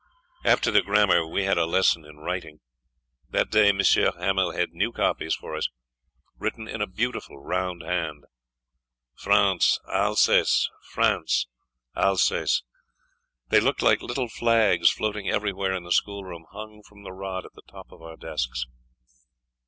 After the grammar, we had a lesson in writing. That day M. Hamel had new copies for us, written in a beautiful round hand: France, Alsace, France, Alsace. They looked like little flags floating everywhere in the schoolroom, hung from the rod at the top of our desks.